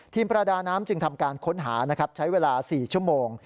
ทีมประดาน้ำจึงทำการค้นหาใช้เวลา๔ชั่วโมง